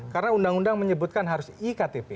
karena undang undang menyebutkan harus i ktp